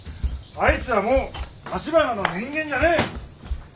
あいつはもう橘の人間じゃねえ。